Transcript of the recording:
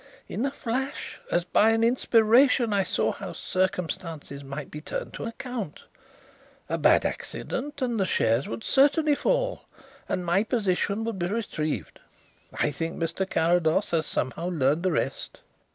In a flash as by an inspiration I saw how the circumstance might be turned to account. A bad accident and the shares would certainly fall and my position would be retrieved. I think Mr. Carrados has somehow learned the rest."